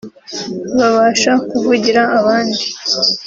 babasha kuvugira abandi